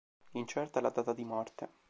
Incerta è la data di morte.